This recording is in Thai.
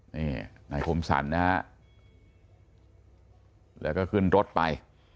นี่นายคมสรรนะฮะแล้วก็ขึ้นรถไป